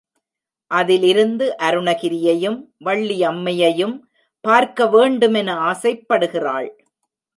அதிலிருந்து அருணகிரியையும், வள்ளியம்மையையும் பார்க்க வேண்டுமென ஆசைப்படுகிறாள்.